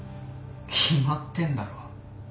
決まってんだろ。